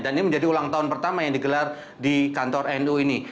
dan ini menjadi ulang tahun pertama yang digelar di kantor nu ini